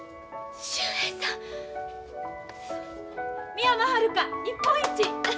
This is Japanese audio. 美山はるか日本一！